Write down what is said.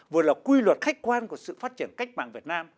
vừa là quy luật khách quan của sự phát triển cách mạng việt nam